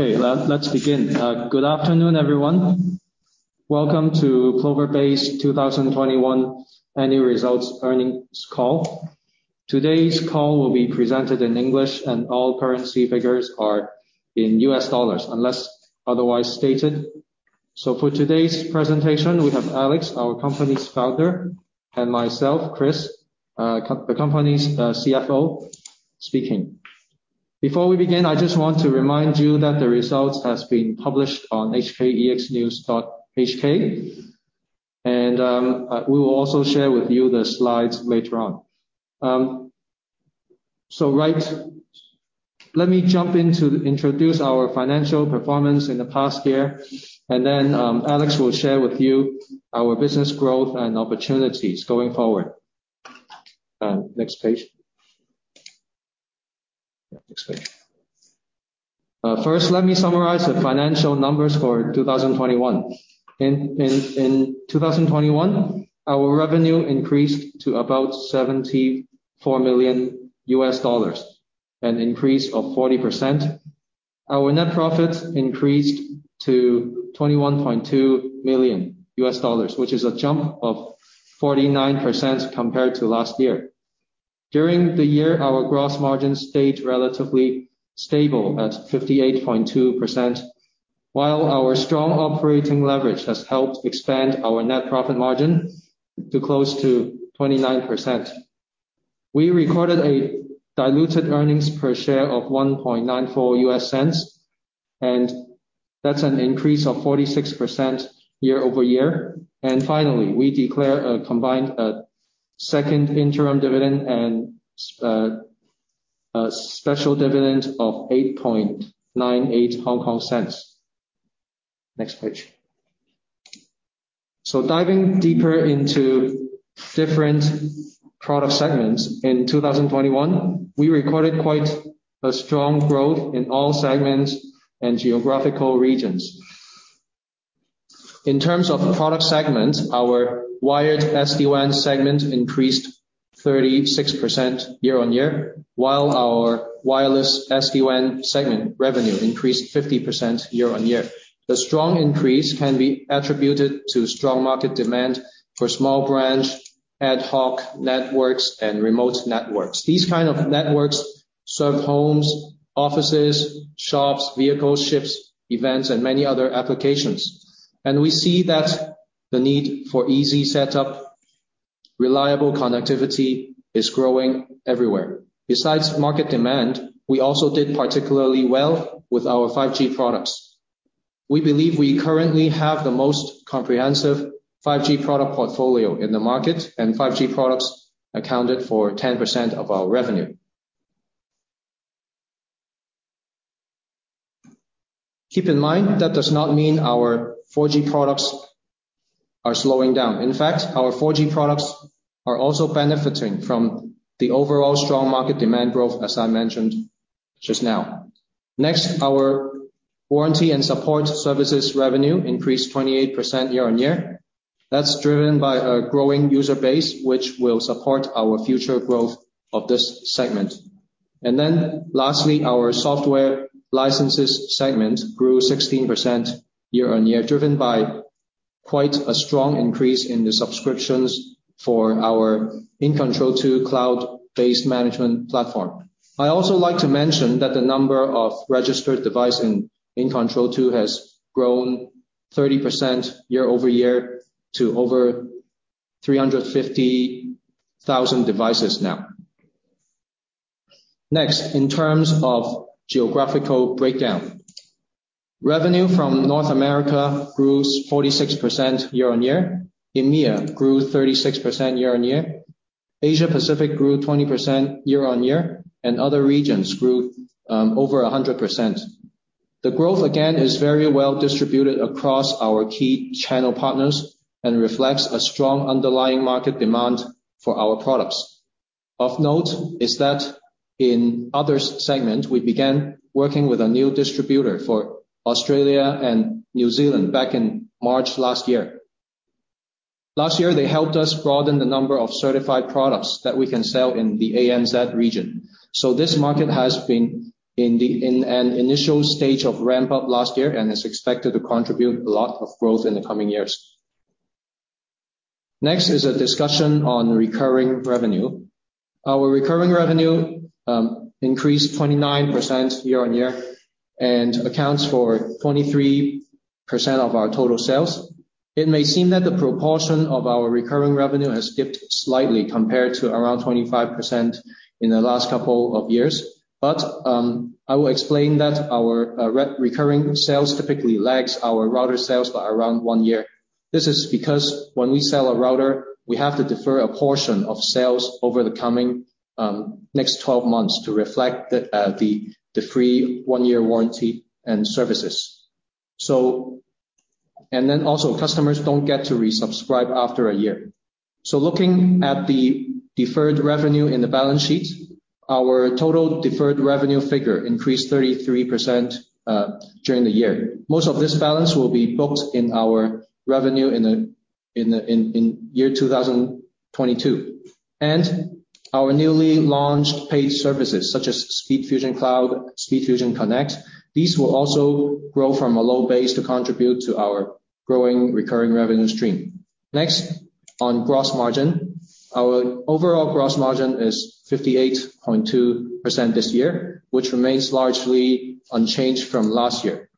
Okay, let's begin. Good afternoon, everyone. Welcome to Plover Bay 2021 annual results earnings call. Today's call will be presented in English, and all currency figures are in US dollars unless otherwise stated. For today's presentation, we have Alex, our company's founder, and myself, Chris, the company's CFO speaking. Before we begin, I just want to remind you that the results has been published on hkexnews.hk. We will also share with you the slides later on. Right. Let me jump in to introduce our financial performance in the past year, and then Alex will share with you our business growth and opportunities going forward. Next page. Next page. First, let me summarize the financial numbers for 2021. In 2021, our revenue increased to about $74 million, an increase of 40%. Our net profits increased to $21.2 million, which is a jump of 49% compared to last year. During the year, our gross margin stayed relatively stable at 58.2%, while our strong operating leverage has helped expand our net profit margin to close to 29%. We recorded a diluted earnings per share of $0.0194, and that's an increase of 46% year-over-year. Finally, we declare a combined second interim dividend and a special dividend of 0.0898. Next page. Diving deeper into different product segments, in 2021, we recorded quite a strong growth in all segments and geographical regions. In terms of product segments, our wired SD-WAN segment increased 36% year-over-year, while our wireless SD-WAN segment revenue increased 50% year-over-year. The strong increase can be attributed to strong market demand for small branch, ad hoc networks and remote networks. These kind of networks serve homes, offices, shops, vehicles, ships, events, and many other applications. We see that the need for easy setup, reliable connectivity is growing everywhere. Besides market demand, we also did particularly well with our 5G products. We believe we currently have the most comprehensive 5G product portfolio in the market, and 5G products accounted for 10% of our revenue. Keep in mind, that does not mean our 4G products are slowing down. In fact, our 4G products are also benefiting from the overall strong market demand growth, as I mentioned just now. Next, our warranty and support services revenue increased 28% year-over-year. That's driven by a growing user base, which will support our future growth of this segment. Then lastly, our software licenses segment grew 16% year-over-year, driven by quite a strong increase in the subscriptions for our InControl 2 cloud-based management platform. I also like to mention that the number of registered device in InControl 2 has grown 30% year-over-year to over 350,000 devices now. Next, in terms of geographical breakdown. Revenue from North America grew 46% year-over-year. EMEA grew 36% year-over-year. Asia Pacific grew 20% year-over-year. Other regions grew over 100%. The growth, again, is very well distributed across our key channel partners and reflects a strong underlying market demand for our products. Of note is that in Others segment, we began working with a new distributor for Australia and New Zealand back in March last year. Last year, they helped us broaden the number of certified products that we can sell in the ANZ region. This market has been in an initial stage of ramp up last year and is expected to contribute a lot of growth in the coming years. Next is a discussion on recurring revenue. Our recurring revenue increased 29% year on year and accounts for 23% of our total sales. It may seem that the proportion of our recurring revenue has dipped slightly compared to around 25% in the last couple of years. I will explain that our recurring sales typically lags our router sales by around one year. This is because when we sell a router, we have to defer a portion of sales over the coming, next 12 months to reflect the free one-year warranty and services. Then also, customers don't get to resubscribe after a year. Looking at the deferred revenue in the balance sheet, our total deferred revenue figure increased 33% during the year. Most of this balance will be booked in our revenue in 2022. Our newly launched paid services, such as SpeedFusion Cloud, SpeedFusion Connect, these will also grow from a low base to contribute to our growing recurring revenue stream. Next, on gross margin. Our overall gross margin is 58.2% this year, which remains largely unchanged from last year.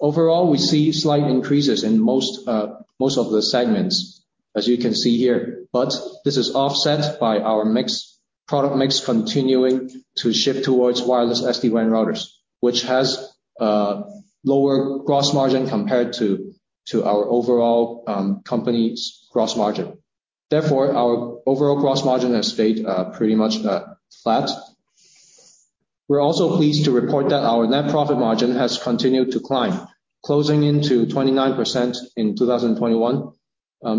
Overall, we see slight increases in most of the segments, as you can see here. This is offset by our mix, product mix continuing to shift towards wireless SD-WAN routers, which has lower gross margin compared to our overall company's gross margin. Therefore, our overall gross margin has stayed pretty much flat. We're also pleased to report that our net profit margin has continued to climb, closing into 29% in 2021.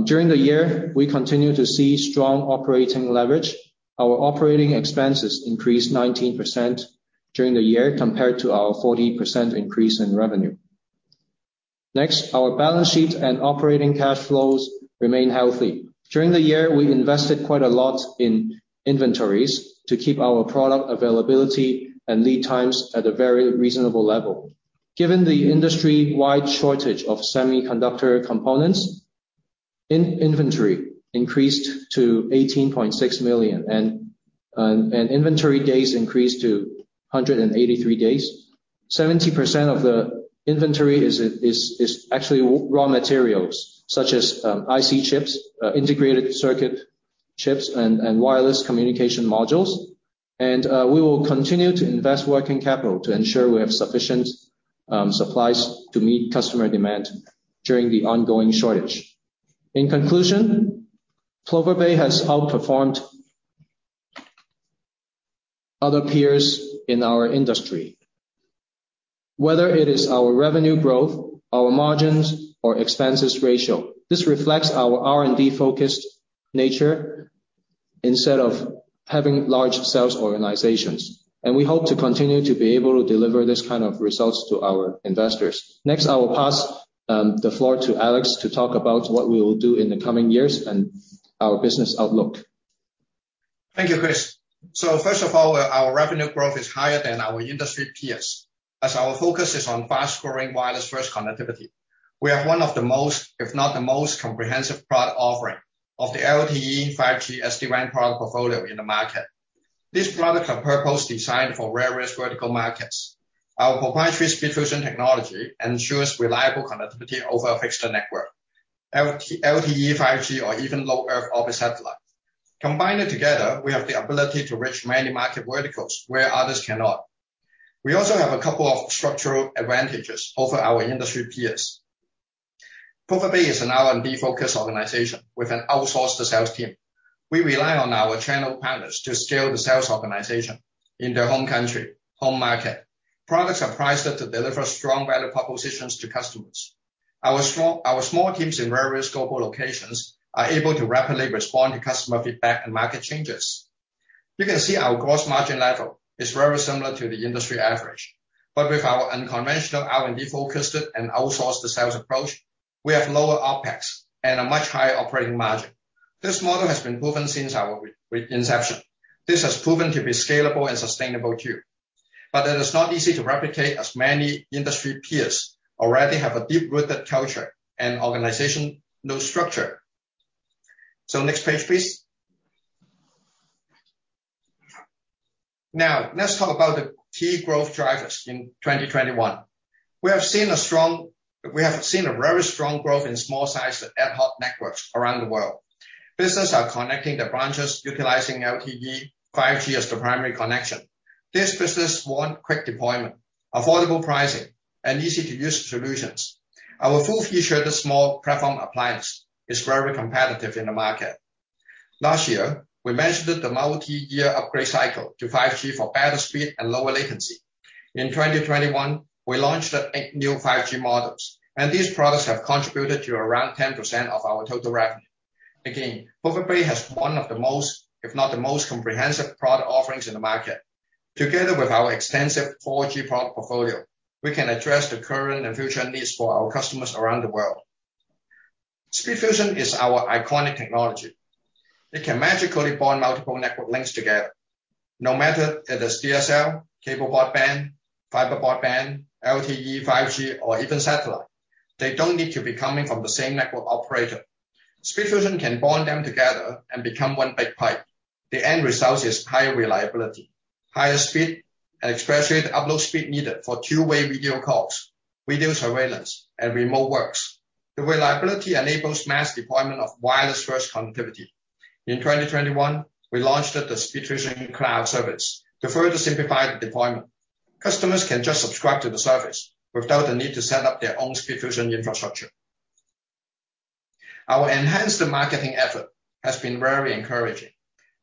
During the year, we continued to see strong operating leverage. Our operating expenses increased 19% during the year compared to our 40% increase in revenue. Next, our balance sheet and operating cash flows remain healthy. During the year, we invested quite a lot in inventories to keep our product availability and lead times at a very reasonable level. Given the industry-wide shortage of semiconductor components, inventory increased to 18.6 million. Inventory days increased to 183 days. 70% of the inventory is actually raw materials, such as IC chips, integrated circuit chips and wireless communication modules. We will continue to invest working capital to ensure we have sufficient supplies to meet customer demand during the ongoing shortage. In conclusion, Plover Bay has outperformed other peers in our industry. Whether it is our revenue growth, our margins, or expenses ratio, this reflects our R&D-focused nature instead of having large sales organizations. We hope to continue to be able to deliver this kind of results to our investors. Next, I will pass the floor to Alex to talk about what we will do in the coming years and our business outlook. Thank you, Chris. First of all, our revenue growth is higher than our industry peers as our focus is on fast-growing wireless first connectivity. We have one of the most, if not the most comprehensive product offering of the LTE, 5G, SD-WAN product portfolio in the market. This product are purpose-designed for various vertical markets. Our proprietary SpeedFusion technology ensures reliable connectivity over a fixed network. LTE, 5G or even Low Earth Orbit satellite. Combined together, we have the ability to reach many market verticals where others cannot. We also have a couple of structural advantages over our industry peers. Plover Bay is an R&D-focused organization with an outsourced sales team. We rely on our channel partners to scale the sales organization in their home country, home market. Products are priced to deliver strong value propositions to customers. Our small teams in various global locations are able to rapidly respond to customer feedback and market changes. You can see our gross margin level is very similar to the industry average, but with our unconventional R&D-focused and outsourced sales approach, we have lower OpEx and a much higher operating margin. This model has been proven since our reinception. This has proven to be scalable and sustainable too. It is not easy to replicate as many industry peers already have a deep-rooted culture and organizational structure. Next page, please. Now, let's talk about the key growth drivers in 2021. We have seen a very strong growth in small-sized ad hoc networks around the world. Businesses are connecting their branches utilizing LTE, 5G as the primary connection. This business want quick deployment, affordable pricing, and easy-to-use solutions. Our full-featured small platform appliance is very competitive in the market. Last year, we mentioned the multi-year upgrade cycle to 5G for better speed and lower latency. In 2021, we launched eight new 5G models, and these products have contributed to around 10% of our total revenue. Again, Plover Bay has one of the most, if not the most comprehensive product offerings in the market. Together with our extensive 4G product portfolio, we can address the current and future needs for our customers around the world. SpeedFusion is our iconic technology. It can magically bond multiple network links together, no matter if it is DSL, cable broadband, fiber broadband, LTE, 5G, or even satellite. They don't need to be coming from the same network operator. SpeedFusion can bond them together and become one big pipe. The end result is higher reliability, higher speed, and especially the upload speed needed for two-way video calls, video surveillance, and remote works. The reliability enables mass deployment of wireless first connectivity. In 2021, we launched the SpeedFusion Cloud service to further simplify the deployment. Customers can just subscribe to the service without the need to set up their own SpeedFusion infrastructure. Our enhanced marketing effort has been very encouraging.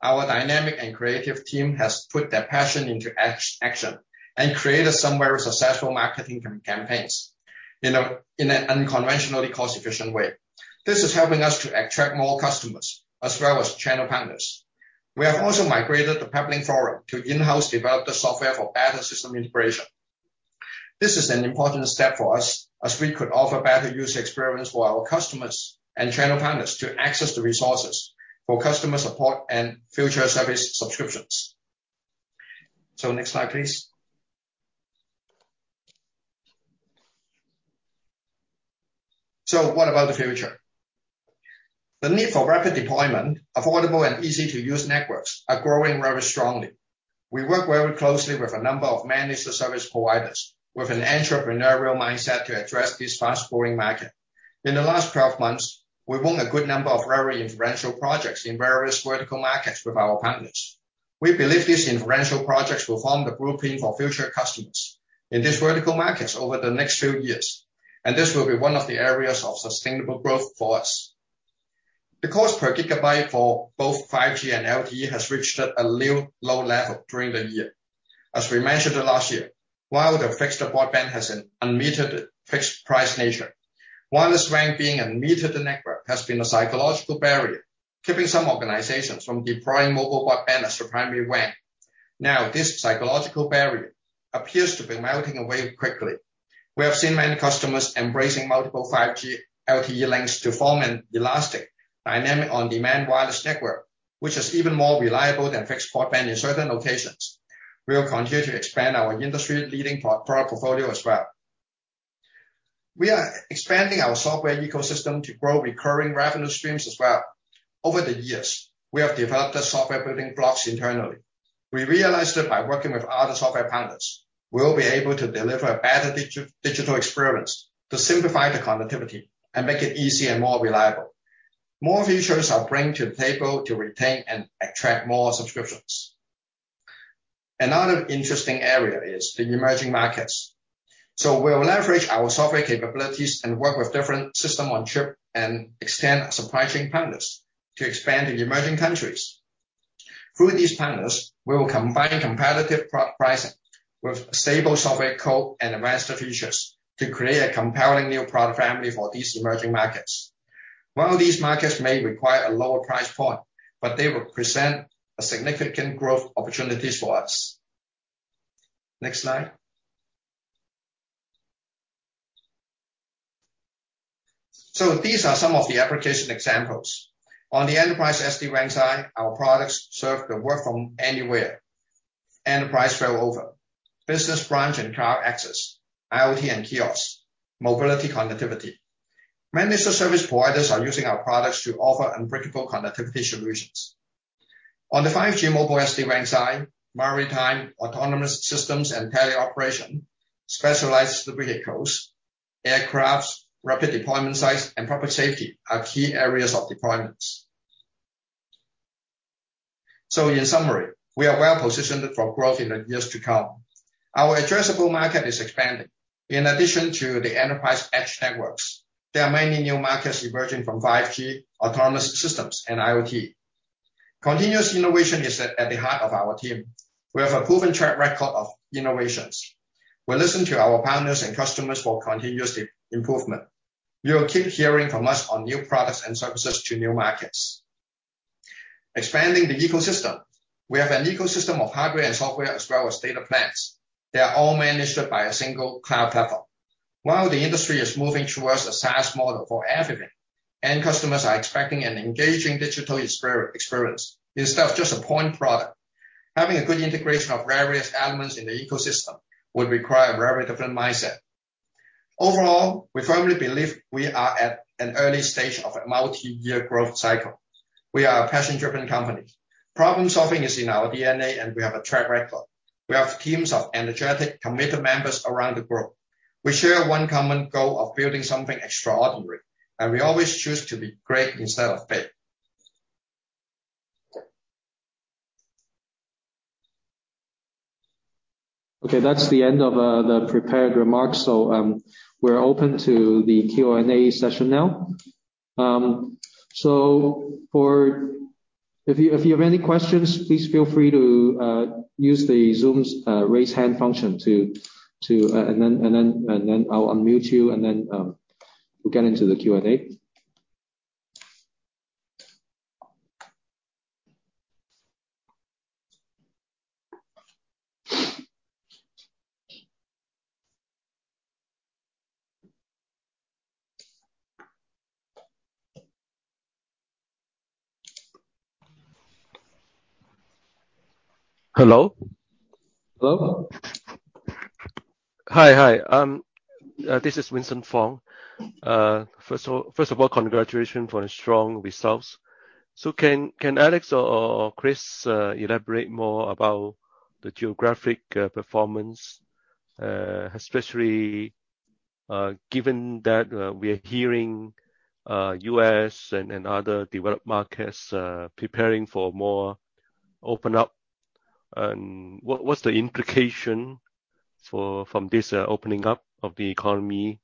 Our dynamic and creative team has put their passion into action and created some very successful marketing campaigns in an unconventionally cost-efficient way. This is helping us to attract more customers as well as channel partners. We have also migrated the Peplink Community to in-house developed software for better system integration. This is an important step for us as we could offer better user experience for our customers and channel partners to access the resources for customer support and future service subscriptions. Next slide, please. What about the future? The need for rapid deployment, affordable and easy-to-use networks are growing very strongly. We work very closely with a number of managed service providers with an entrepreneurial mindset to address this fast-growing market. In the last 12 months, we've won a good number of very influential projects in various vertical markets with our partners. We believe these influential projects will form the blueprint for future customers in these vertical markets over the next few years. This will be one of the areas of sustainable growth for us. The cost per GB for both 5G and LTE has reached a new low level during the year. As we mentioned last year, while the fixed broadband has an unmetered fixed price nature, wireless WAN being a metered network has been a psychological barrier, keeping some organizations from deploying mobile broadband as the primary WAN. Now, this psychological barrier appears to be melting away quickly. We have seen many customers embracing multiple 5G LTE links to form an elastic dynamic on-demand wireless network, which is even more reliable than fixed broadband in certain locations. We will continue to expand our industry-leading pro-product portfolio as well. We are expanding our software ecosystem to grow recurring revenue streams as well. Over the years, we have developed the software building blocks internally. We realized that by working with other software partners, we'll be able to deliver a better digital experience to simplify the connectivity and make it easy and more reliable. More features are brought to the table to retain and attract more subscriptions. Another interesting area is the emerging markets. We'll leverage our software capabilities and work with different system-on-chip and extend supply chain partners to expand in emerging countries. Through these partners, we will combine competitive pricing with stable software code and advanced features to create a compelling new product family for these emerging markets. While these markets may require a lower price point, but they represent a significant growth opportunities for us. Next slide. These are some of the application examples. On the enterprise SD-WAN side, our products serve the work from anywhere. Enterprise failover, business branch and cloud access, IoT and kiosks, mobility connectivity. Managed service providers are using our products to offer unbreakable connectivity solutions. On the 5G mobile SD-WAN side, maritime, autonomous systems and teleoperation, specialized vehicles, aircraft, rapid deployment sites, and public safety are key areas of deployments. In summary, we are well positioned for growth in the years to come. Our addressable market is expanding. In addition to the enterprise edge networks, there are many new markets emerging from 5G, autonomous systems and IoT. Continuous innovation is at the heart of our team. We have a proven track record of innovations. We listen to our partners and customers for continuous improvement. You will keep hearing from us on new products and services to new markets. Expanding the ecosystem. We have an ecosystem of hardware and software as well as data plans. They are all managed by a single cloud platform. While the industry is moving towards a SaaS model for everything and customers are expecting an engaging digital experience instead of just a point product, having a good integration of various elements in the ecosystem would require a very different mindset. Overall, we firmly believe we are at an early stage of a multi-year growth cycle. We are a passion-driven company. Problem-solving is in our DNA, and we have a track record. We have teams of energetic, committed members around the globe. We share one common goal of building something extraordinary, and we always choose to be great instead of big. Okay, that's the end of the prepared remarks. We're open to the Q&A session now. If you have any questions, please feel free to use the Zoom's raise hand function to... I'll unmute you, and then we'll get into the Q&A. Hello? Hello. Hi. This is Vincent Fong. First of all, congratulations on strong results. Can Alex or Chris elaborate more about the geographic performance, especially given that we are hearing U.S. and other developed markets preparing for more opening up? What's the implication from this opening up of the economy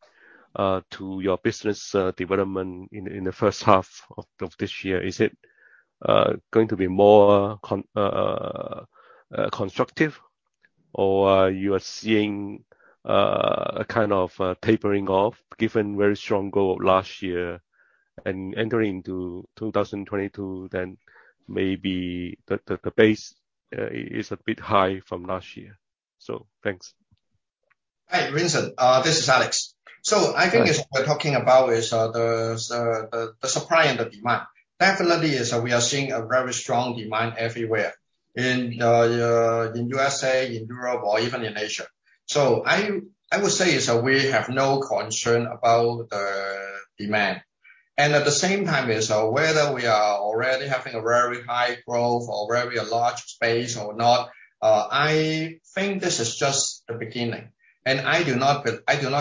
to your business development in the first half of this year? Is it going to be more constructive or are you seeing a kind of tapering off given very strong growth last year? Entering into 2022, maybe the base is a bit high from last year. Thanks. Hi, Vincent. This is Alex. I think as we're talking about is the supply and the demand. Definitely, we are seeing a very strong demand everywhere. In USA, in Europe, or even in Asia. I would say that we have no concern about the demand. At the same time is whether we are already having a very high growth or very large space or not. I think this is just the beginning. I do not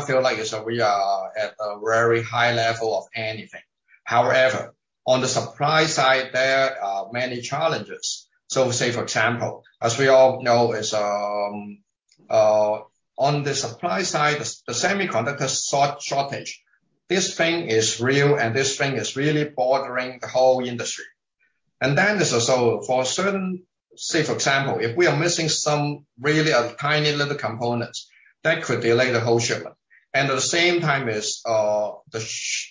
feel like as though we are at a very high level of anything. However, on the supply side, there are many challenges. Say for example, as we all know, on the supply side, the semiconductor shortage. This thing is real, and this thing is really bothering the whole industry. This is so for certain. Say for example, if we are missing some really tiny little components, that could delay the whole shipment. At the same time, the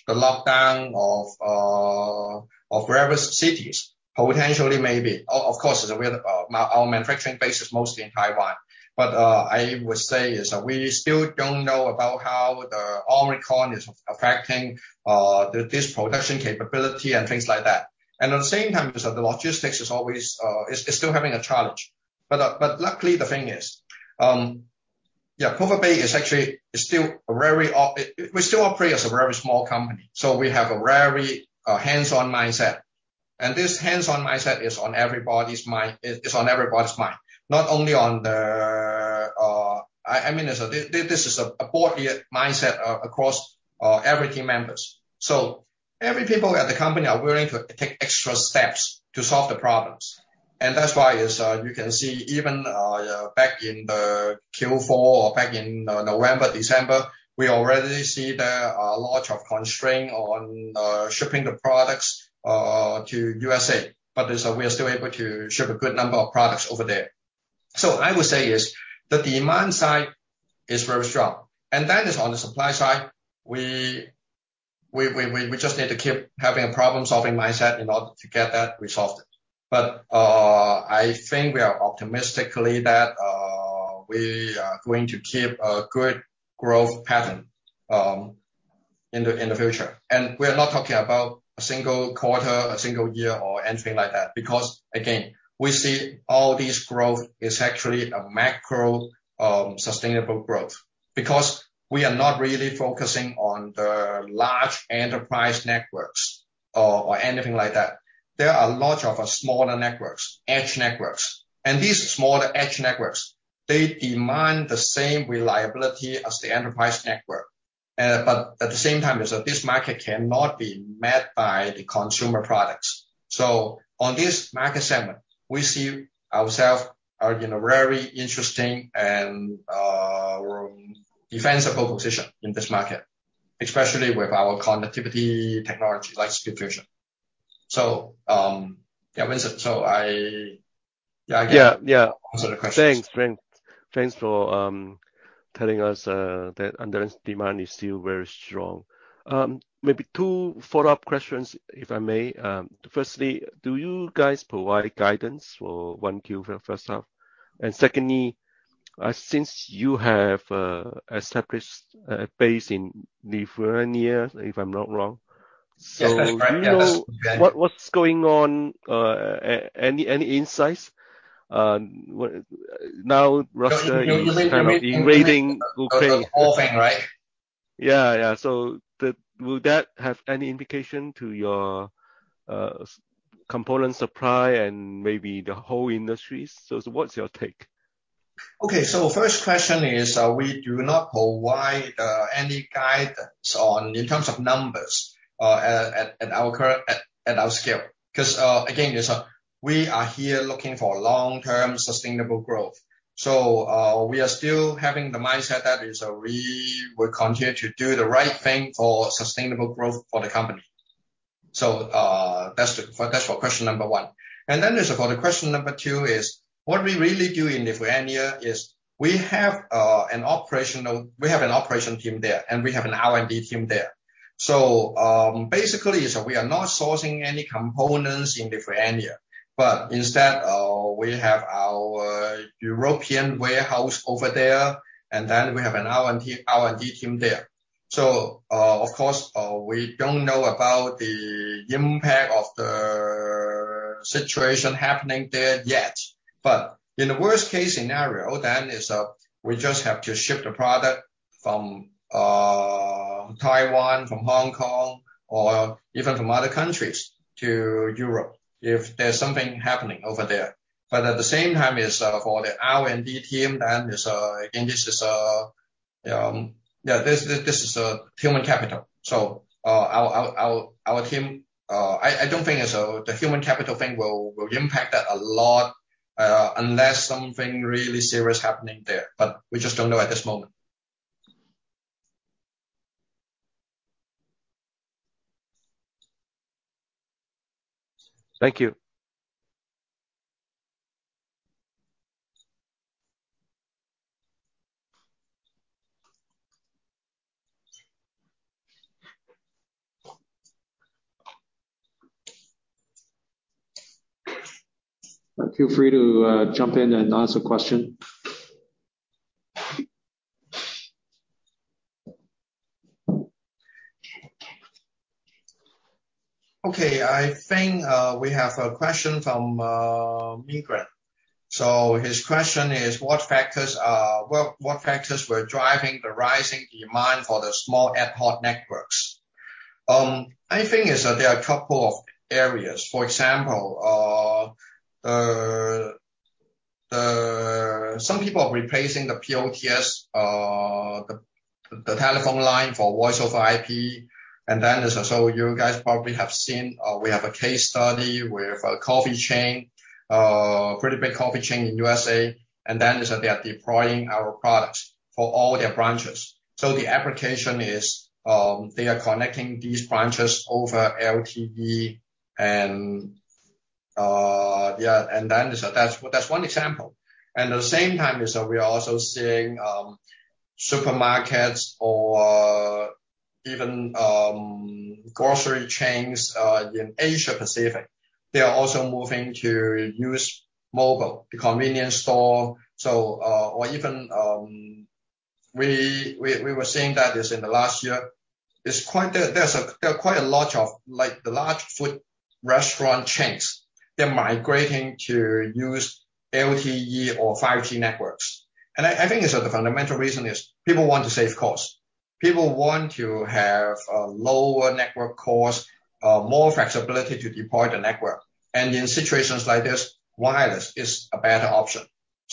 lockdown of various cities, potentially maybe. Of course, our manufacturing base is mostly in Taiwan. I would say, we still don't know about how the Omicron is affecting this production capability and things like that. At the same time, that the logistics is always still having a challenge. Luckily, the thing is, Plover Bay is actually still. We still operate as a very small company. We have a very hands-on mindset. This hands-on mindset is on everybody's mind. Not only on the I mean, this is a broad mindset across every team members. Every people at the company are willing to take extra steps to solve the problems. That's why you can see even back in the Q4 or back in November, December, we already see there are a lot of constraint on shipping the products to USA. We are still able to ship a good number of products over there. I would say the demand side is very strong. Then on the supply side, we just need to keep having a problem-solving mindset in order to get that resolved. I think we are optimistic that we are going to keep a good growth pattern in the future. We're not talking about a single quarter, a single year or anything like that, because again, we see all this growth is actually a macro sustainable growth. Because we are not really focusing on the large enterprise networks or anything like that. There are a lot of smaller networks, edge networks. These smaller edge networks, they demand the same reliability as the enterprise network. But at the same time is that this market cannot be met by the consumer products. On this market segment, we see ourself are in a very interesting and defensible position in this market, especially with our connectivity technology like SpeedFusion. Yeah, Vincent, I can- Yeah, yeah. Answer the questions. Thanks for telling us that underlying demand is still very strong. Maybe two follow-up questions, if I may. Firstly, do you guys provide guidance for 1Q for first half? Secondly, since you have established a base in Lithuania, if I'm not wrong. Yes, that's right. Yeah, that's correct. Do you know what's going on? Any insights? Now Russia is kind of invading Ukraine. You're referring to the whole thing, right? Yeah, yeah. Will that have any indication to your component supply and maybe the whole industry? What's your take? Okay. First question is, we do not provide any guidance on, in terms of numbers, at our current scale. 'Cause, again, we are here looking for long-term sustainable growth. We are still having the mindset that we will continue to do the right thing for sustainable growth for the company. That's for question number one. For question number two, what we really do in Lithuania is we have an operation team there, and we have an R&D team there. Basically we are not sourcing any components in Lithuania. Instead, we have our European warehouse over there, and then we have an R&D team there. Of course, we don't know about the impact of the situation happening there yet. In the worst-case scenario, we just have to ship the product from Taiwan, from Hong Kong or even from other countries to Europe, if there's something happening over there. At the same time, for the R&D team, again, this is a human capital. Our team. I don't think so the human capital thing will impact that a lot, unless something really serious happening there. We just don't know at this moment. Thank you. Feel free to, jump in and ask a question. Okay. I think we have a question from Ming Ran. His question is, what factors were driving the rising demand for the small ad hoc networks? I think there are a couple of areas. For example, some people replacing the POTS telephone line for Voice over IP. You guys probably have seen we have a case study with a pretty big coffee chain in USA. They are deploying our product for all their branches. The application is they are connecting these branches over LTE. That's one example. At the same time we are also seeing supermarkets or even grocery chains in Asia Pacific. They are also moving to use mobile, the convenience store. Or even, we were seeing that in the last year. There are quite a lot of like the large food restaurant chains, they're migrating to use LTE or 5G networks. I think it's the fundamental reason is people want to save cost. People want to have a lower network cost, more flexibility to deploy the network. In situations like this, wireless is a better option.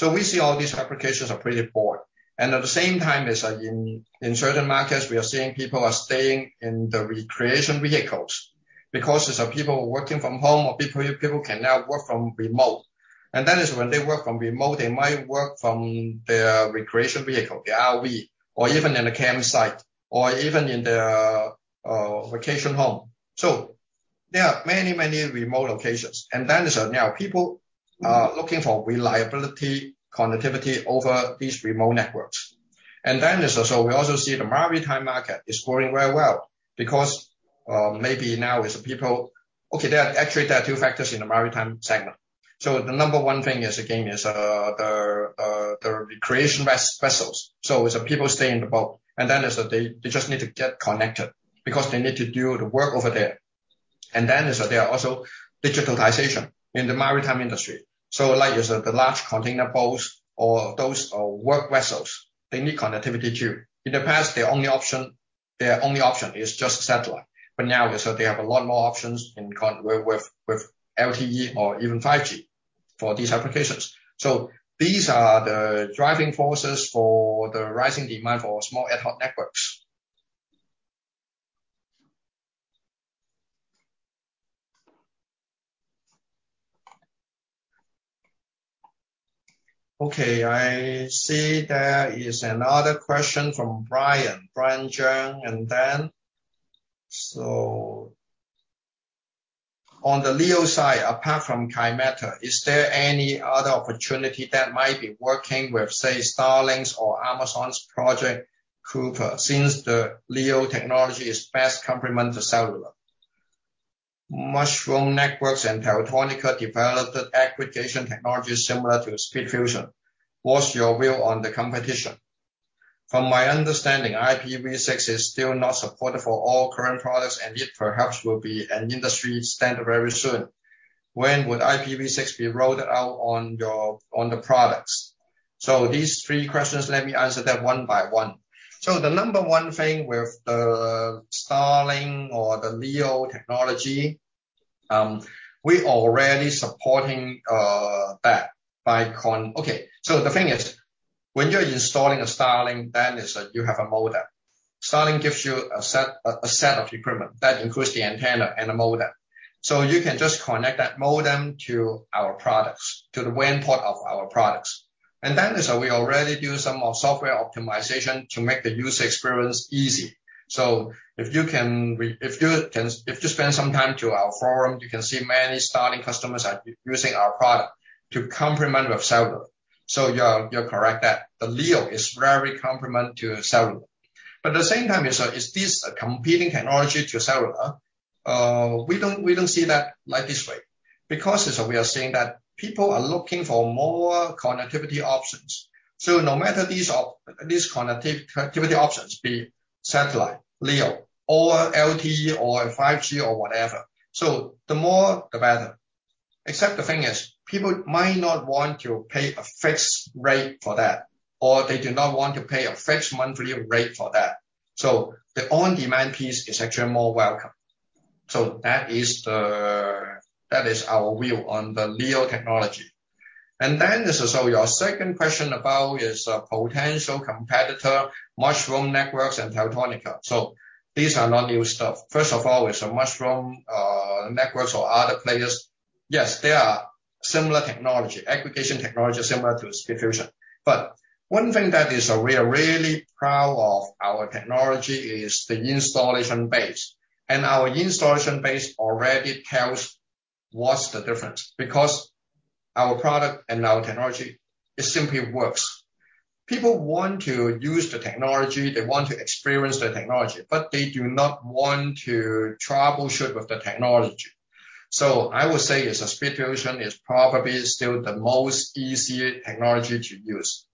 We see all these applications are pretty important. At the same time, in certain markets, we are seeing people are staying in the recreation vehicles. There's some people working from home or people can now work from remote. That is when they work from remote, they might work from their recreation vehicle, the RV, or even in a campsite, or even in their vacation home. There are many, many remote locations. Now people are looking for reliability, connectivity over these remote networks. We also see the maritime market is growing very well because maybe now is people. Okay, there are actually two factors in the maritime segment. The number one thing is again the recreation vessels. It's people stay in the boat, and that they just need to get connected because they need to do the work over there. That there are also digitalization in the maritime industry. Like, is the large container boats or those work vessels, they need connectivity too. In the past, their only option is just satellite. Now that they have a lot more options with LTE or even 5G for these applications. These are the driving forces for the rising demand for small ad hoc networks. Okay, I see there is another question from Brian Denyeau. On the LEO side, apart from Kymeta, is there any other opportunity that might be working with, say, Starlink's or Amazon's Project Kuiper, since the LEO technology is best complement to cellular? Mushroom Networks and Teltonika developed aggregation technologies similar to SpeedFusion. What's your view on the competition? From my understanding, IPv6 is still not supported for all current products, and it perhaps will be an industry standard very soon. When would IPv6 be rolled out on your products? These three questions, let me answer them one by one. The number one thing with the Starlink or the LEO technology, we already supporting that. The thing is, when you're installing a Starlink, you have a modem. Starlink gives you a set of equipment that includes the antenna and a modem. You can just connect that modem to our products, to the WAN port of our products. We already do some software optimization to make the user experience easy. If you spend some time to our forum, you can see many Starlink customers are using our product to complement with cellular. You're correct that the LEO is very complementary to cellular. At the same time, is this a competing technology to cellular? We don't see that that way. Because it's that we are seeing that people are looking for more connectivity options. No matter these connectivity options, be it satellite, LEO or LTE or 5G or whatever. The more, the better. Except the thing is, people might not want to pay a fixed rate for that, or they do not want to pay a fixed monthly rate for that. The on-demand piece is actually more welcome. That is our view on the LEO technology. Then it's also your second question about a potential competitor, Mushroom Networks and Teltonika. These are not new stuff. First of all, is Mushroom Networks or other players. Yes, they are similar technology, aggregation technology similar to SpeedFusion. One thing that is, we are really proud of our technology is the installed base. Our installed base already tells what's the difference, because our product and our technology, it simply works. People want to use the technology, they want to experience the technology, but they do not want to troubleshoot with the technology. I would say is a SpeedFusion is probably still the most easier technology to use.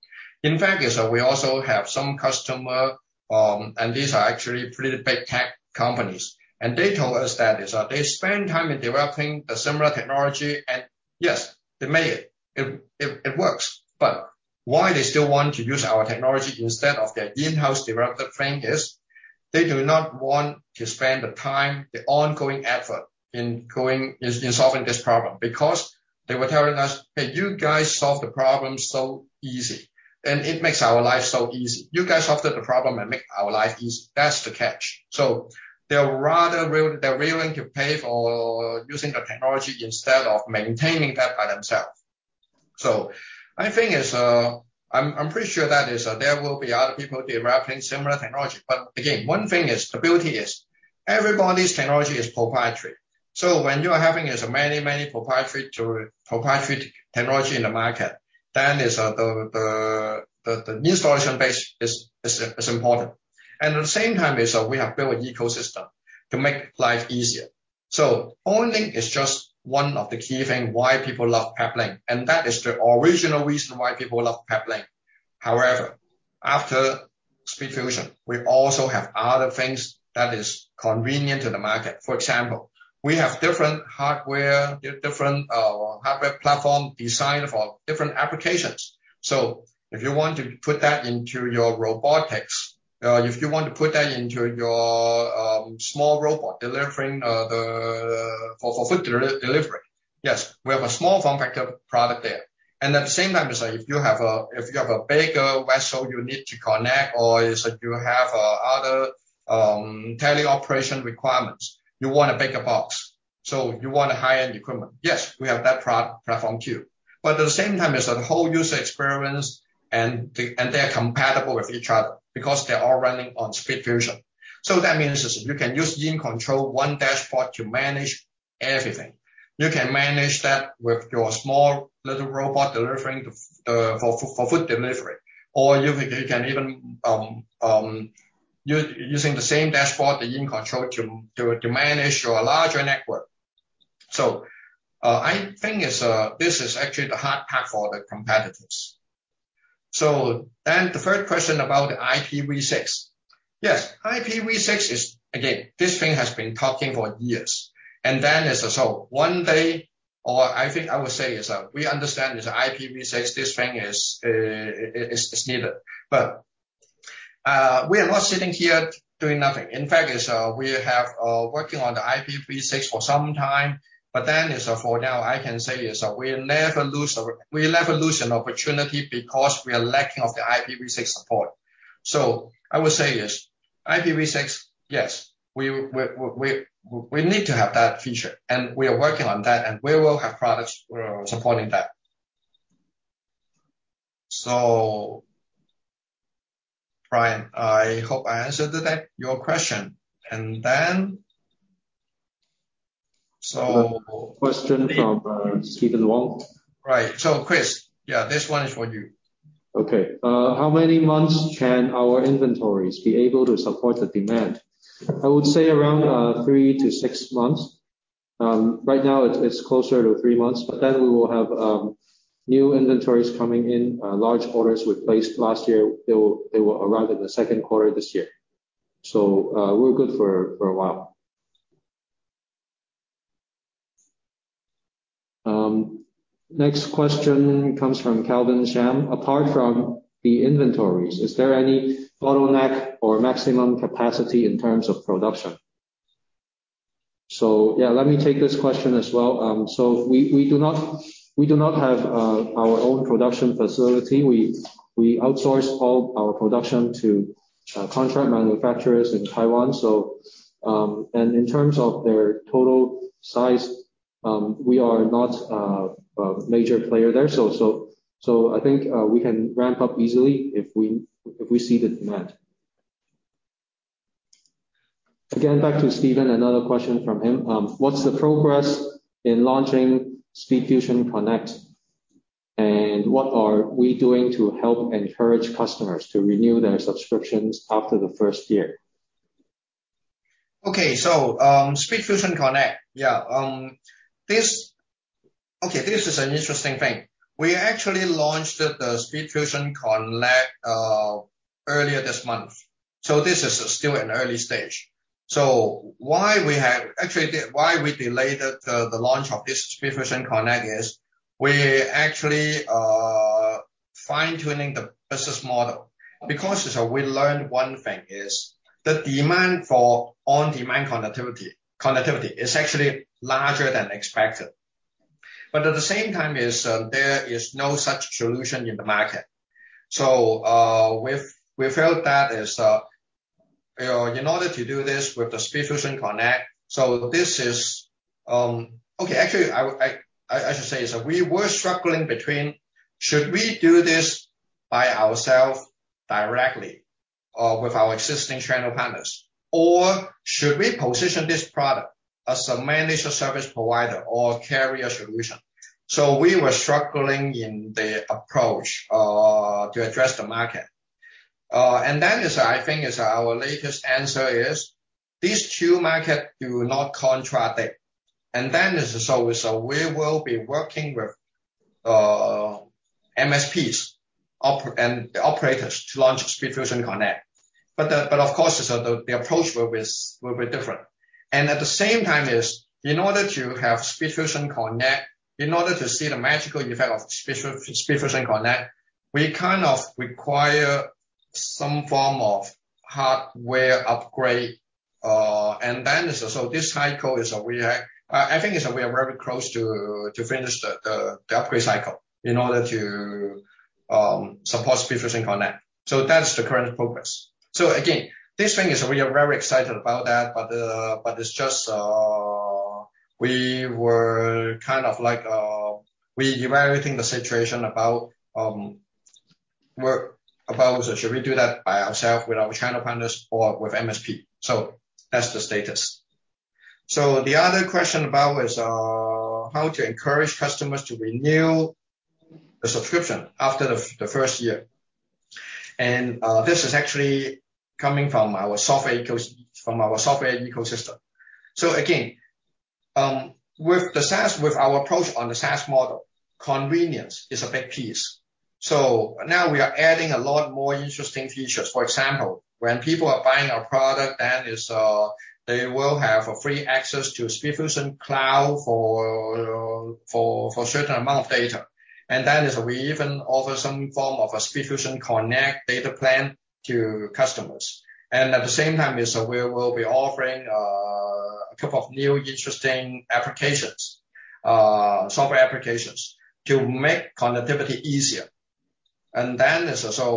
In fact, we also have some customers, and these are actually pretty big tech companies. They told us that they spend time in developing a similar technology and yes, they made it. It works. Why they still want to use our technology instead of their in-house developed thing is, they do not want to spend the time, the ongoing effort in going in solving this problem. They were telling us, "Hey, you guys solve the problem so easy, and it makes our life so easy. You guys solved the problem and make our life easy." That's the catch. They'd rather they're willing to pay for using the technology instead of maintaining that by themselves. I think is, I'm pretty sure that is there will be other people developing similar technology. Again, one thing is, the beauty is everybody's technology is proprietary. When you are having many proprietary to proprietary technology in the market, then is the installation base is important. At the same time is we have built ecosystem to make life easier. Only is just one of the key thing why people love Peplink, and that is the original reason why people love Peplink. However, after SpeedFusion, we also have other things that is convenient to the market. For example, we have different hardware platform designed for different applications. If you want to put that into your robotics, if you want to put that into your small robot delivering for food delivery. Yes, we have a small form factor product there. At the same time is if you have a bigger vessel you need to connect, or is you have other teleoperation requirements, you want a bigger box. You want a high-end equipment. Yes, we have that platform too. At the same time is the whole user experience and they're compatible with each other because they're all running on SpeedFusion. That means you can use InControl one dashboard to manage everything. You can manage that with your small little robot delivering the food for food delivery. You can even using the same dashboard, the InControl, to manage your larger network. I think this is actually the hard part for the competitors. The third question about the IPv6. Yes, IPv6 is again, this thing has been talked about for years. One day or I think I would say that we understand IPv6, this thing is needed. We are not sitting here doing nothing. In fact, we have been working on the IPv6 for some time, but then for now, I can say that we'll never lose an opportunity because we are lacking of the IPv6 support. I would say IPv6, yes. We need to have that feature, and we are working on that, and we will have products supporting that. Brian, I hope I answered that, your question. Question from Steven Wong. Right. Chris, yeah, this one is for you. Okay. How many months can our inventories be able to support the demand? I would say around three to six months. Right now it's closer to three months, but then we will have new inventories coming in. Large orders we placed last year, they will arrive in the second quarter this year. We're good for a while. Next question comes from Calvin Sham. Apart from the inventories, is there any bottleneck or maximum capacity in terms of production? Yeah. Let me take this question as well. We do not have our own production facility. We outsource all our production to contract manufacturers in Taiwan. In terms of their total size, we are not a major player there, so I think we can ramp up easily if we see the demand. Again, back to Steven, another question from him. What's the progress in launching SpeedFusion Connect? What are we doing to help encourage customers to renew their subscriptions after the first year? Okay. SpeedFusion Connect. Yeah. Okay, this is an interesting thing. We actually launched the SpeedFusion Connect earlier this month, so this is still in early stage. Actually, why we delayed the launch of this SpeedFusion Connect is we actually are fine-tuning the business model. Because we learned one thing is the demand for on-demand connectivity is actually larger than expected. But at the same time, there is no such solution in the market. We felt that, you know, in order to do this with the SpeedFusion Connect, this is. Actually, I should say is that we were struggling between should we do this by ourself directly with our existing channel partners. Should we position this product as a managed service provider or carrier solution? We were struggling in the approach to address the market. I think our latest answer is these two markets do not contradict. We will be working with MSPs and operators to launch SpeedFusion Connect. Of course, the approach will be different. At the same time, in order to have SpeedFusion Connect, in order to see the magical effect of SpeedFusion Connect, we kind of require some form of hardware upgrade. This cycle we are very close to finish the upgrade cycle in order to support SpeedFusion Connect. That's the current progress. Again, we are very excited about that. It's just we were kind of like evaluating the situation about should we do that by ourself, with our channel partners or with MSP. That's the status. The other question about is how to encourage customers to renew the subscription after the first year. This is actually coming from our software ecosystem. Again, with the SaaS, with our approach on the SaaS model, convenience is a big piece. Now we are adding a lot more interesting features. For example, when people are buying our product, then is they will have a free access to SpeedFusion Cloud for certain amount of data. Then is we even offer some form of a SpeedFusion Connect data plan to customers. At the same time as we'll be offering a couple of new interesting applications, software applications to make connectivity easier.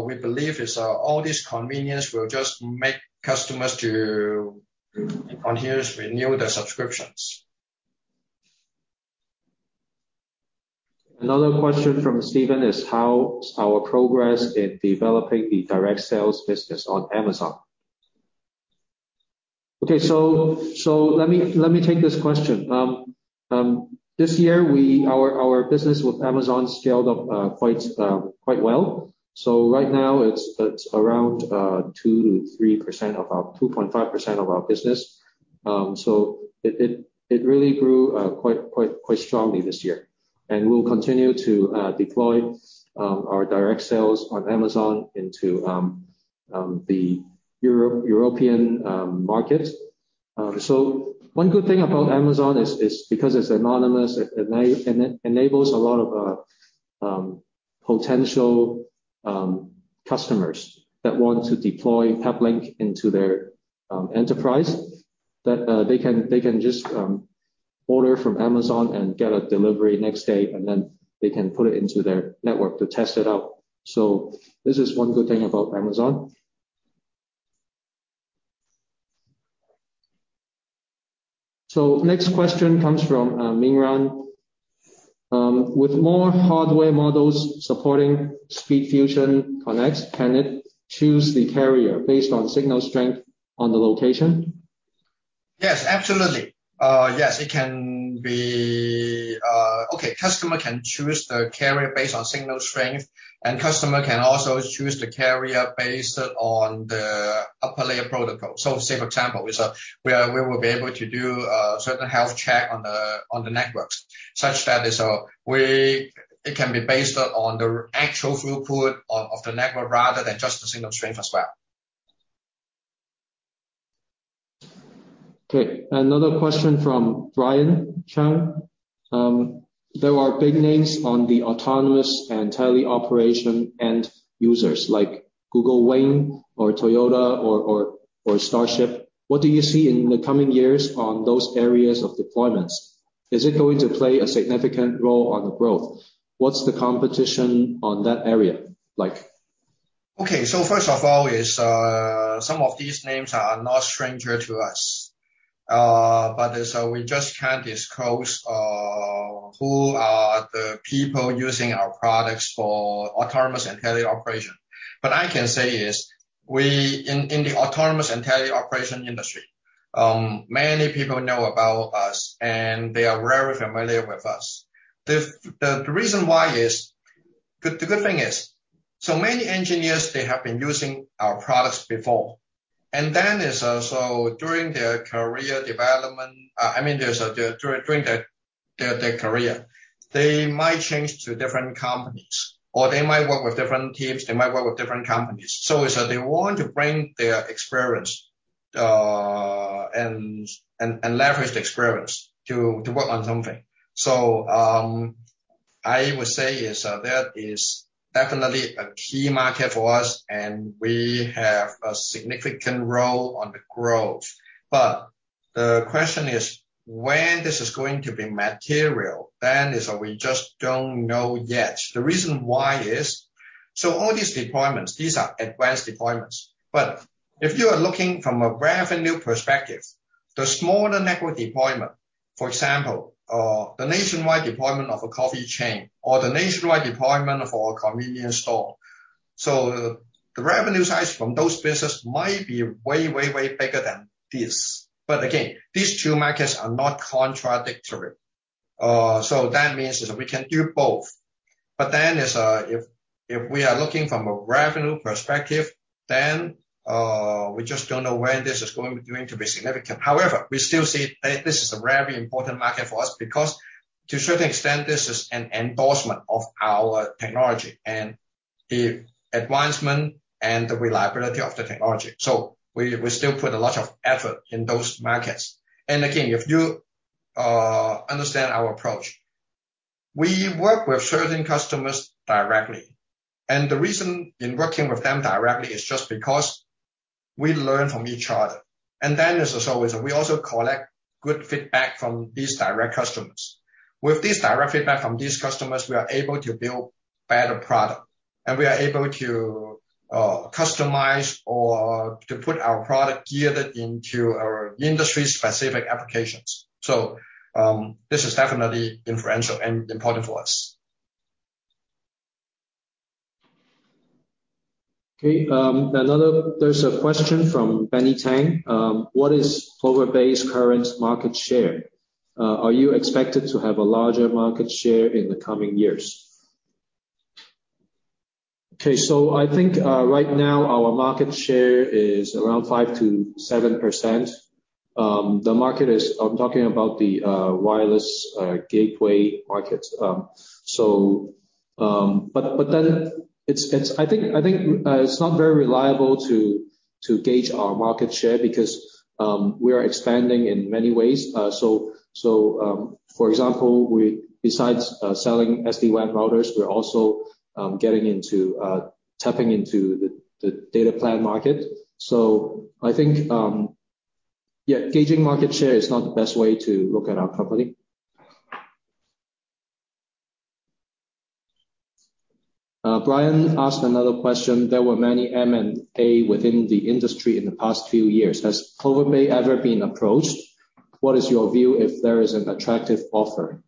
We believe all these convenience will just make customers to continue to renew their subscriptions. Another question from Steven is, how is our progress in developing the direct sales business on Amazon? Okay. Let me take this question. This year our business with Amazon scaled up quite well. Right now it's around 2.5% of our business. It really grew quite strongly this year. We'll continue to deploy our direct sales on Amazon into the European market. One good thing about Amazon is because it's anonymous, it enables a lot of potential customers that want to deploy Peplink into their enterprise. That they can just order from Amazon and get a delivery next day, and then they can put it into their network to test it out. This is one good thing about Amazon. Next question comes from Ming Ran. With more hardware models supporting SpeedFusion Connect, can it choose the carrier based on signal strength on the location? Yes, absolutely. Customer can choose the carrier based on signal strength, and customer can also choose the carrier based on the upper layer protocol. For example, we will be able to do certain health check on the networks. It can be based on the actual throughput of the network rather than just the signal strength as well. Okay. Another question from Brian Denyeau. There are big names on the autonomous and teleoperation end users like Waymo or Toyota or Starship. What do you see in the coming years on those areas of deployments? Is it going to play a significant role on the growth? What's the competition on that area like? Okay. First of all, some of these names are no strangers to us. We just can't disclose who the people using our products for autonomous and teleoperation are. What I can say is, in the autonomous and teleoperation industry, many people know about us, and they are very familiar with us. The reason why is the good thing is so many engineers, they have been using our products before. During their career development, I mean, during their career, they might change to different companies or they might work with different teams, they might work with different companies. They want to bring their experience and leverage the experience to work on something. I would say that is definitely a key market for us and we have a significant role in the growth. The question is, when this is going to be material. We just don't know yet. The reason why is all these deployments. These are advanced deployments. If you are looking from a revenue perspective, the smaller network deployment. For example, the nationwide deployment of a coffee chain or the nationwide deployment of a convenience store. The revenue size from those businesses might be way, way bigger than this. Again, these two markets are not contradictory. That means we can do both. If we are looking from a revenue perspective, we just don't know when this is going to be significant. However, we still see this is a very important market for us because to a certain extent, this is an endorsement of our technology and the advancement and the reliability of the technology. We still put a lot of effort in those markets. Again, if you understand our approach, we work with certain customers directly, and the reason for working with them directly is just because we learn from each other. Then, as always, we also collect good feedback from these direct customers. With this direct feedback from these customers, we are able to build better product, and we are able to customize or to gear our product toward our industry-specific applications. This is definitely influential and important for us. Okay. There's a question from Benny Tang. What is Plover Bay current market share? Are you expected to have a larger market share in the coming years? Okay. I think right now, our market share is around 5%-7%. The market is the wireless gateway market. It's not very reliable to gauge our market share because we are expanding in many ways. For example, we besides selling SD-WAN routers, we're also getting into tapping into the data plan market. I think gauging market share is not the best way to look at our company. Brian asked another question. There were many M&A within the industry in the past few years. Has Plover Bay ever been approached? What is your view if there is an attractive offer?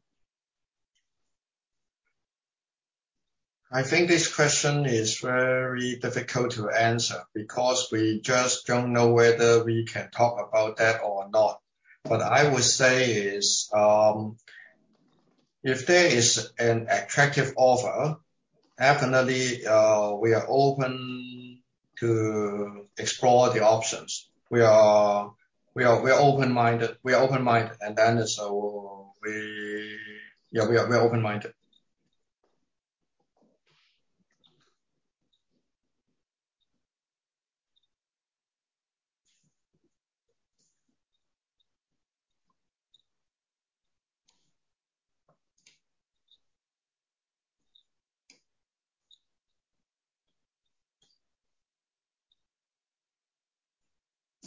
I think this question is very difficult to answer because we just don't know whether we can talk about that or not. What I would say is, if there is an attractive offer, definitely, we are open to explore the options. We are open-minded.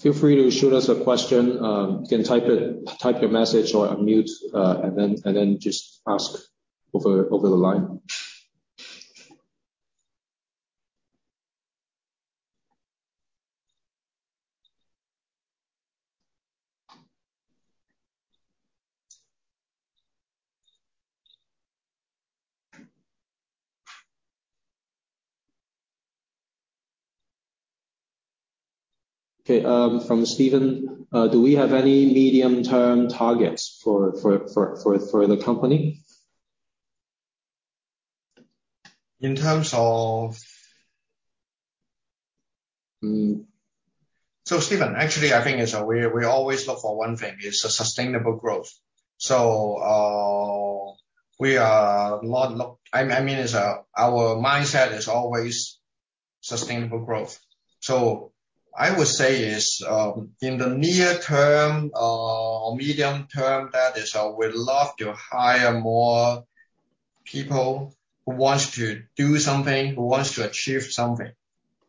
Feel free to shoot us a question. You can type it, type your message or unmute, and then just ask over the line. Okay. From Steven, do we have any medium-term targets for the company? In terms of, Steven, actually, I think we always look for one thing, sustainable growth. Our mindset is always sustainable growth. I would say, in the near term or medium term, that is, we love to hire more people who wants to do something, who wants to achieve something.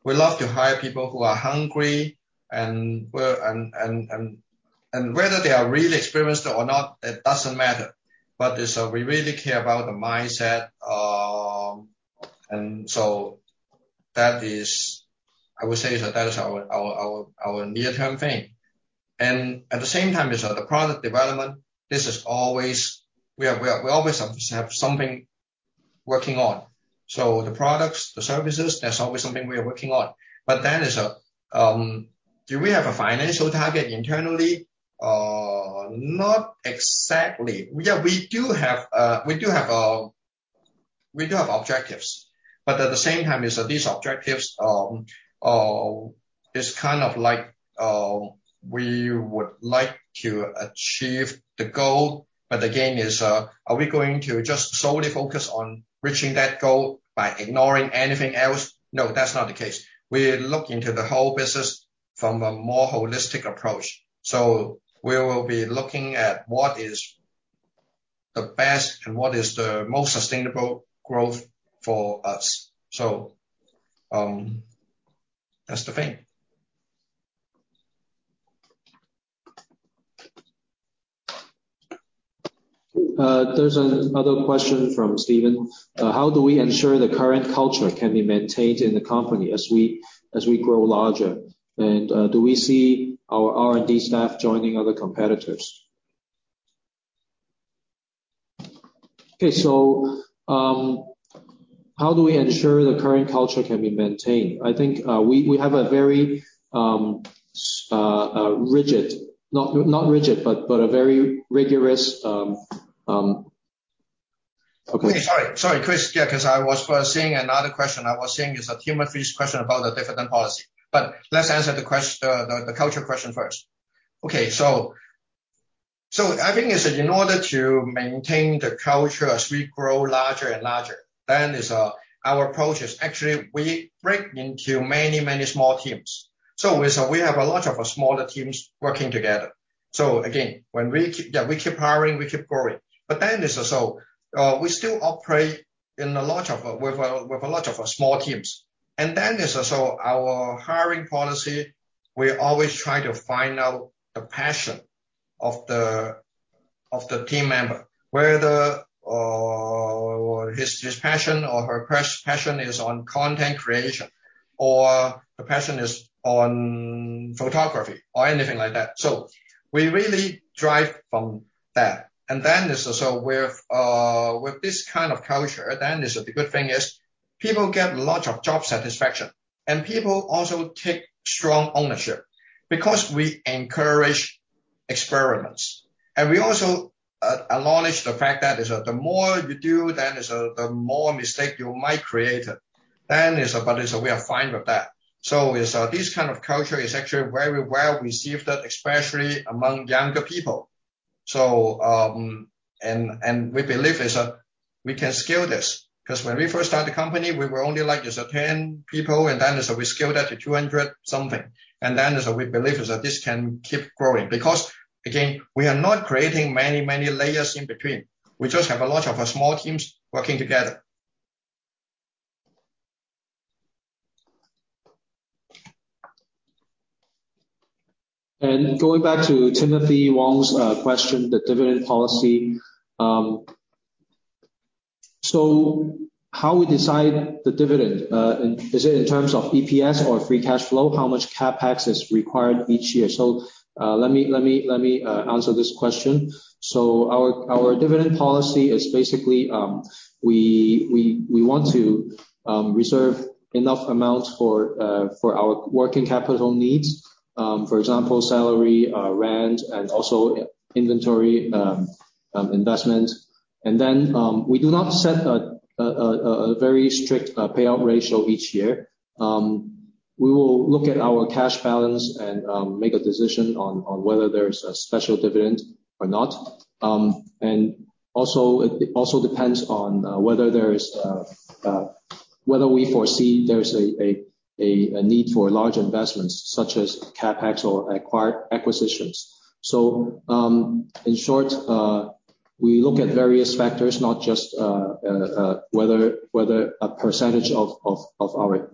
We love to hire people who are hungry and willing, whether they are really experienced or not, it doesn't matter. We really care about the mindset. That is our near-term thing. At the same time, the product development is always something we have working on. The products, the services, that's always something we are working on. Do we have a financial target internally? Not exactly. Yeah, we do have objectives. At the same time these objectives are kind of like we would like to achieve the goal. Again, are we going to just solely focus on reaching that goal by ignoring anything else? No, that's not the case. We look into the whole business from a more holistic approach. We will be looking at what is the best and what is the most sustainable growth for us. That's the thing. There's another question from Steven. How do we ensure the current culture can be maintained in the company as we grow larger? Do we see our R&D staff joining other competitors? Okay. How do we ensure the current culture can be maintained? I think we have a very rigorous. Okay. Sorry, Chris. Yeah, because I was first seeing another question. I was seeing. Is that Timothy's question about the dividend policy? Let's answer the culture question first. Okay. I think that in order to maintain the culture as we grow larger and larger, our approach is actually we break into many small teams. We have a lot of smaller teams working together. Again, when we keep hiring, we keep growing. We still operate with a lot of small teams. Our hiring policy, we always try to find out the passion of the team member. Whether his passion or her passion is on content creation, or the passion is on photography or anything like that. We really drive from that. Then is also with this kind of culture, then is the good thing is people get lot of job satisfaction. People also take strong ownership because we encourage experiments. We also acknowledge the fact that is that the more you do, then is the more mistake you might create. Then is but is we are fine with that. This kind of culture is actually very well received, especially among younger people. We believe is that we can scale this. 'Cause when we first started the company, we were only like is 10 people, and then is we scaled up to 200 something. We believe that this can keep growing, because, again, we are not creating many, many layers in between. We just have a lot of small teams working together. Going back to Timothy Wong's question, the dividend policy. How we decide the dividend, is it in terms of EPS or free cash flow? How much CapEx is required each year? Let me answer this question. Our dividend policy is basically, we want to reserve enough amounts for our working capital needs. For example, salary, rent, and also inventory investment. We do not set a very strict payout ratio each year. We will look at our cash balance and make a decision on whether there is a special dividend or not. It also depends on whether we foresee there is a need for large investments such as CapEx or acquisitions. In short, we look at various factors, not just whether a percentage of our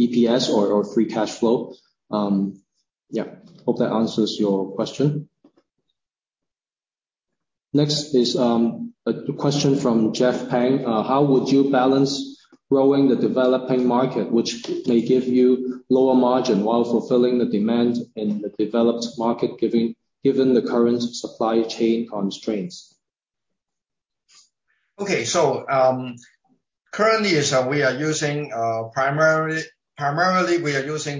EPS or free cash flow. Hope that answers your question. Next is a question from Jeff Pang. How would you balance growing the developing market, which may give you lower margin while fulfilling the demand in the developed market given the current supply chain constraints? Okay. Currently we are using primarily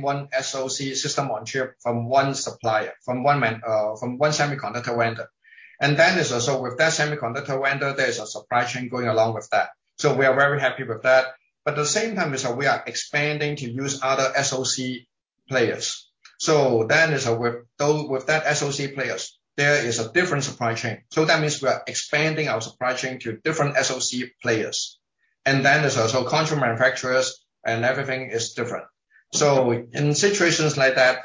one SoC system on chip from one supplier, from one semiconductor vendor. With that semiconductor vendor, there's a supply chain going along with that. We are very happy with that. At the same time we are expanding to use other SoC players. With that SoC players, there is a different supply chain. That means we are expanding our supply chain to different SoC players. Contract manufacturers and everything is different. In situations like that,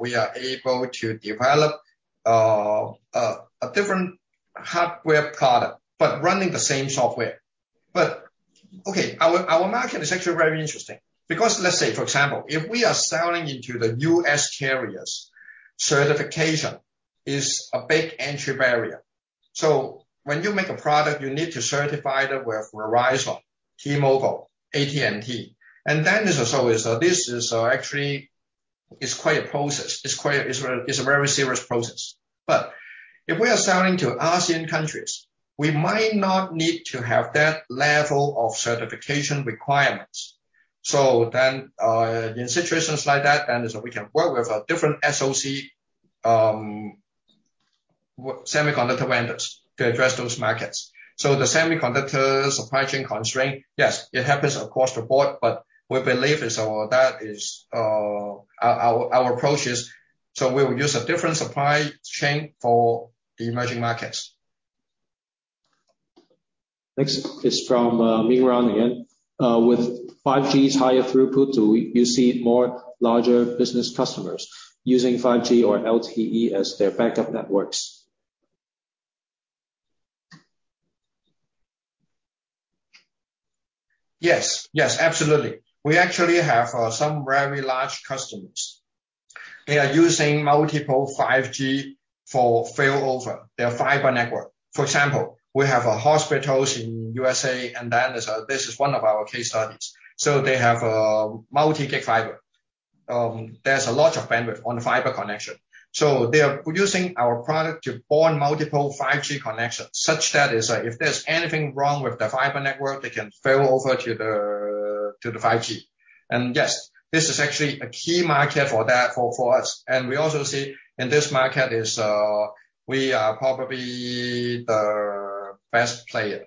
we are able to develop a different hardware product, but running the same software. Okay, our market is actually very interesting. Because let's say for example, if we are selling into the U.S. carriers, certification is a big entry barrier. When you make a product, you need to certify that with Verizon, T-Mobile, AT&T. It is also actually quite a process. It's quite a very serious process. If we are selling to ASEAN countries, we might not need to have that level of certification requirements. In situations like that, we can work with a different SoC semiconductor vendors to address those markets. The semiconductor supply chain constraint, yes, it happens across the board. We believe that our approach is, we will use a different supply chain for the emerging markets. Next is from Ming Ran again. With 5G's higher throughput, do you see more larger business customers using 5G or LTE as their backup networks? Yes. Yes, absolutely. We actually have some very large customers. They are using multiple 5G for failover their fiber network. For example, we have hospitals in U.S., and then this is one of our case studies. They have multi-gig fiber. There's a lot of bandwidth on the fiber connection. They are using our product to bond multiple 5G connections, such that is if there's anything wrong with the fiber network, they can failover to the 5G. Yes, this is actually a key market for that for us. We also see in this market is we are probably the best player.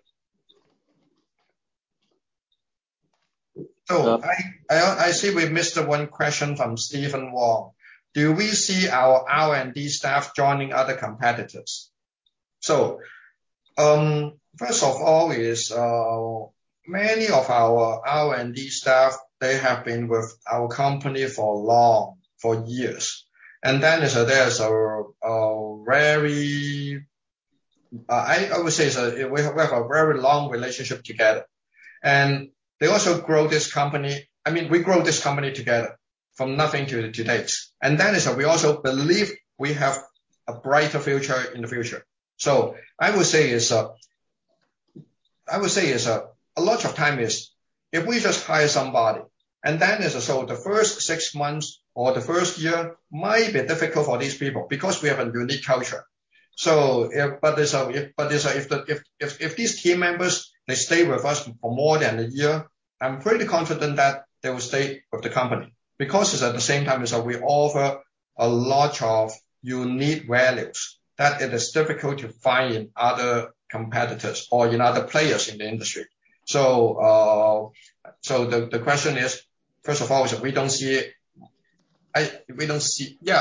I see we missed one question from Steven Wong. Do we see our R&D staff joining other competitors? First of all, many of our R&D staff, they have been with our company for long, for years. There's a very long relationship together. They also grow this company. I mean, we grow this company together from nothing to date. We also believe we have a brighter future in the future. I would say a lot of time is if we just hire somebody, and then is so the first six months or the first year might be difficult for these people because we have a unique culture. If... If these team members they stay with us for more than a year, I'm pretty confident that they will stay with the company. Because it's at the same time is that we offer a lot of unique values that it is difficult to find in other competitors or in other players in the industry. The question is, first of all, we don't see. Yeah,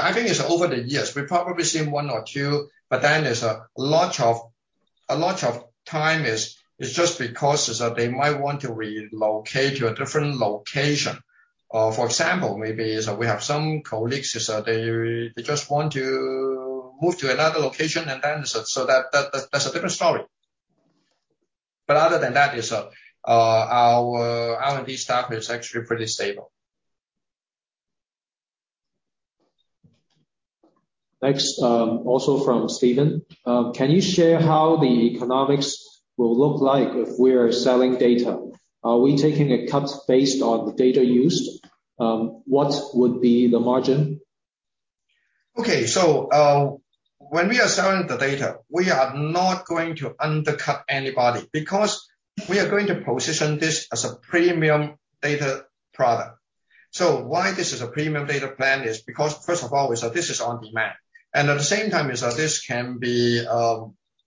I think it's over the years. We've probably seen one or two, but then a lot of time is just because they might want to relocate to a different location. For example, maybe we have some colleagues, they just want to move to another location and then so that's a different story. Other than that, our R&D staff is actually pretty stable. Next, also from Steven. Can you share how the economics will look like if we are selling data? Are we taking a cut based on the data used? What would be the margin? Okay. When we are selling the data, we are not going to undercut anybody because we are going to position this as a premium data product. Why this is a premium data plan is because first of all is that this is on demand. At the same time is that this can be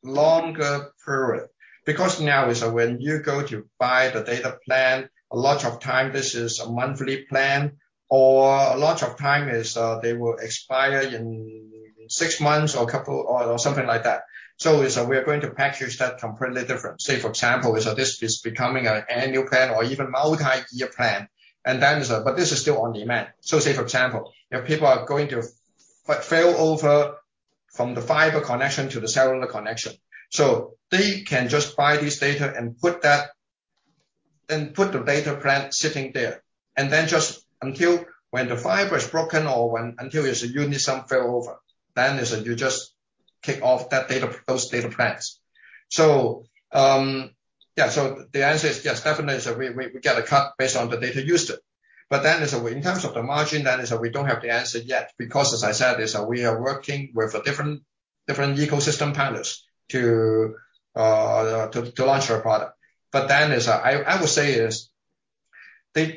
longer period. Because now is when you go to buy the data plan, a lot of time this is a monthly plan, or a lot of time is they will expire in six months or a couple or something like that. We are going to package that completely different. Say, for example, is that this is becoming an annual plan or even multi-year plan, and then is, but this is still on demand. Say, for example, if people are going to failover from the fiber connection to the cellular connection. They can just buy this data and put that then put the data plan sitting there until when the fiber is broken or when it is a Unison failover, then you just kick off that data, those data plans. Yeah, the answer is yes, definitely, we get a cut based on the data used. Then, in terms of the margin, we don't have the answer yet. Because as I said, we are working with different ecosystem partners to launch our product. Then I would say actually,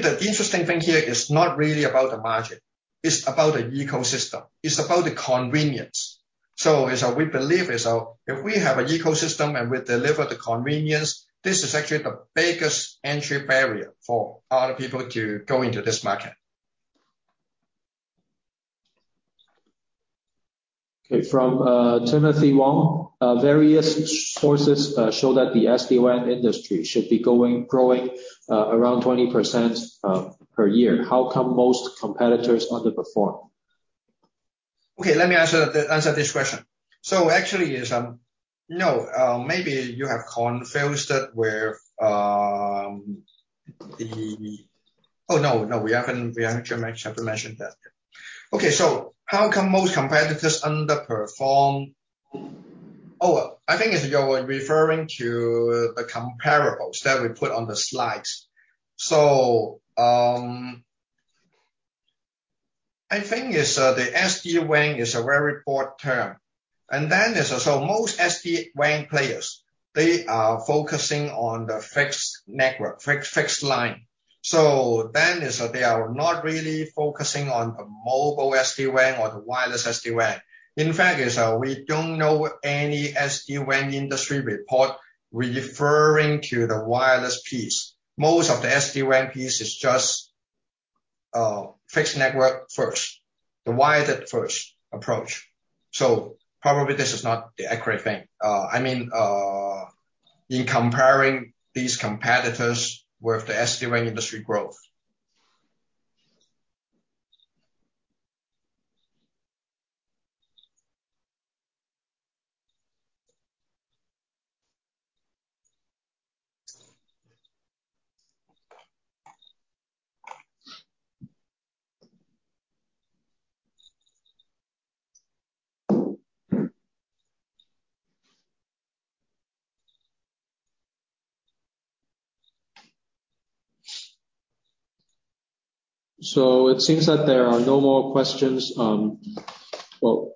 the interesting thing here is not really about the margin. It's about the ecosystem. It's about the convenience. We believe, if we have an ecosystem and we deliver the convenience, this is actually the biggest entry barrier for other people to go into this market. From Timothy Wong. Various sources show that the SD-WAN industry should be growing around 20% per year. How come most competitors underperform? Okay, let me answer this question. Actually, no, maybe you have confused it with the. No, we haven't mentioned that. Okay, how come most competitors underperform? I think you're referring to the comparables that we put on the slides. I think the SD-WAN is a very broad term. Most SD-WAN players are focusing on the fixed network, fixed line. They are not really focusing on the mobile SD-WAN or the wireless SD-WAN. In fact, we don't know any SD-WAN industry report referring to the wireless piece. Most of the SD-WAN piece is just fixed network first, the wired first approach. Probably this is not the accurate thing. I mean, in comparing these competitors with the SD-WAN industry growth. It seems that there are no more questions. Well,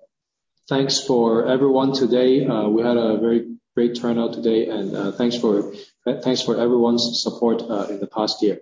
thanks for everyone today. We had a very great turnout today, and thanks for everyone's support in the past year.